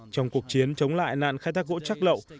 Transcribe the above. trong cuộc chiến chống lại nạn khai thác gỗ chắc lậu